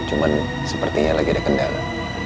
cuman sepertinya lagi ada kendala